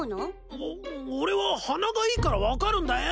お俺は鼻がいいから分かるんだよ！